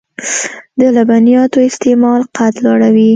د لبنیاتو استعمال قد لوړوي .